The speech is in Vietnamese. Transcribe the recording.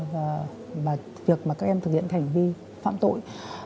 và việc mà các em thực hiện hành vi phạm tội